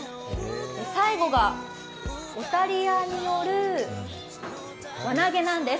最後がオタリアによる輪投げなんです。